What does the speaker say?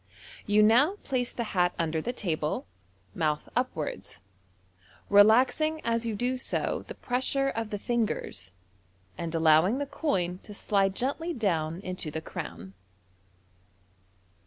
You now place the hat under the table, mouth upwards, relaxing as you do so the 230 MODERN MAGIC. pressure of the fingers, and allowing the coin to slide gently down into the crown.